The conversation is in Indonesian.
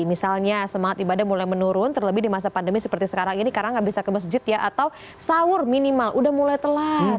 misalnya semangat ibadah mulai menurun terlebih di masa pandemi seperti sekarang ini karena nggak bisa ke masjid ya atau sahur minimal udah mulai telat